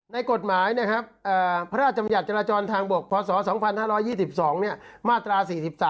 ในกฎหมายนะครับพระราชมยัตริย์จราจรทางบกพศ๒๕๒๒เนี่ยมาตรา๔๓